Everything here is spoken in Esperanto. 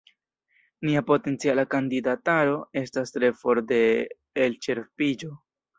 Nia potenciala kandidataro estas tre for de elĉerpiĝo.